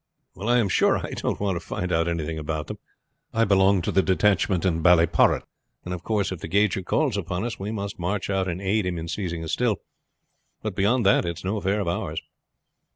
"Well, I am sure I don't want to find out anything about them. I belong to the detachment in Ballyporrit, and of course if the gauger calls upon us we must march out and aid him in seizing a still. But beyond that it's no affair of ours."